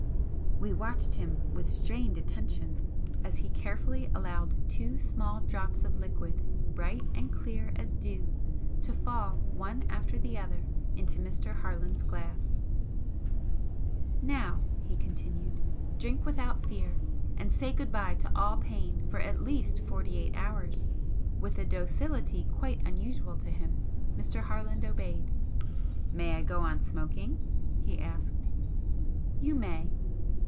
We watched him with strained attention as he carefully allowed two small drops of liquid, bright and clear as dew to fall one after the other into Mr. Harland's glass. "Now," he continued "drink without fear, and say good bye to all pain for at least forty eight hours." With a docility quite unusual to him Mr. Harland obeyed. "May I go on smoking?" he asked. "You may."